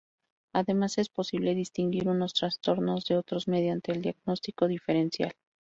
Además, es posible distinguir unos trastornos de otros mediante el diagnóstico diferencial.